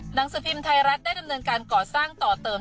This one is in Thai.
หนังสือพิมพ์ไทยรัฐได้ดำเนินการก่อสร้างต่อเติม